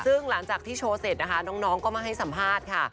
ซึ่งหลังจากที่โชว์เสร็จนะคะน้องก็มาให้สัมภาษณ์ค่ะ